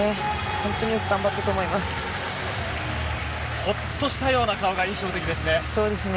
本当によく頑張ったとほっとしたような顔が印象的そうですね。